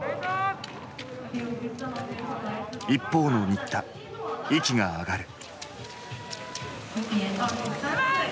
一方の新田息が上がる。